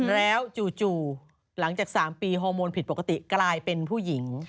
แล้วจู่หลังจาก๓ปีฮอร์โมนผิดปกติกลายเป็นผู้หญิง